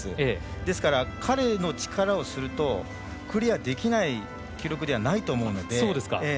ですから、彼の力をするとクリアできない記録ではないと思うので。